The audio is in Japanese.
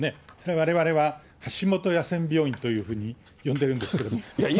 われわれは橋下野戦病院というふうに呼んでるんですけれども。